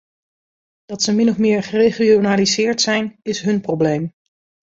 Dat ze min of meer geregionaliseerd zijn, is hun probleem.